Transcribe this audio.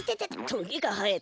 トゲがはえてる。